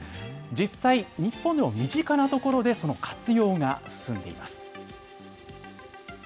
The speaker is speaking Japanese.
実際、日本でも身近な所でその活用が進んでいます。